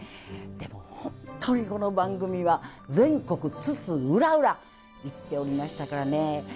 でもほんとにこの番組は全国津々浦々行っておりましたからね。